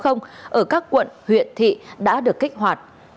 ở các quận huyện thị đã được kích hoạt